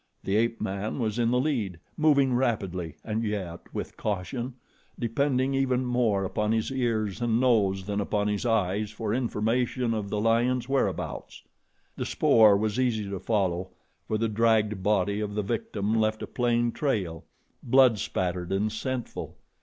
The ape man was in the lead, moving rapidly and yet with caution, depending even more upon his ears and nose than upon his eyes for information of the lion's whereabouts. The spoor was easy to follow, for the dragged body of the victim left a plain trail, blood spattered and scentful.